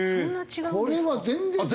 これは全然違うわ。